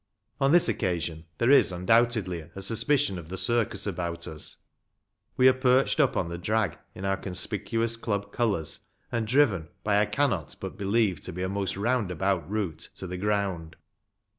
On this occasion there is, undoubtedly, a suspicion of the circus about us. 204 RUGBY FOOTBALL. We are perched up on the drag in our conspicuous club colours, and driven, by what I cannot but believe to be a most roundabout route, to the ground.